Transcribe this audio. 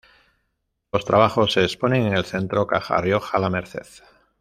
Los trabajos se exponen en el centro Caja Rioja-La Merced.